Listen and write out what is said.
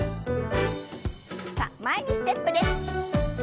さあ前にステップです。